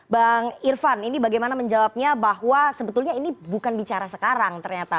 bang irfan ini bagaimana menjawabnya bahwa sebetulnya ini bukan bicara sekarang ternyata